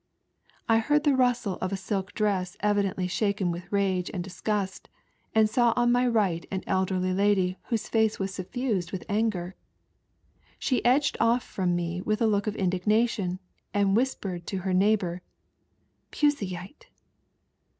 I heard the rustle of a silk dress evidently shaken with rage and disgust, aud saw on my right an elderly lady whose face was suffused with anger. She edged oflf from me with a look of indig nation, and whispered to her neighbour, " Puseyite